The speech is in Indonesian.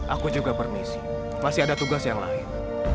aku juga permisi masih ada tugas yang lain